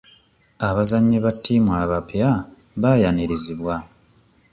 Abazannyi ba ttiimu abapya baayanirizibwa.